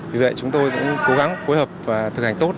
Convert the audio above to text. vì vậy chúng tôi cũng cố gắng phối hợp và thực hành tốt